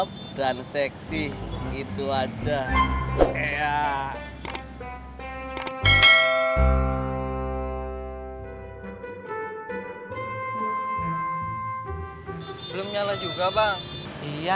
biasanya kalo gak ada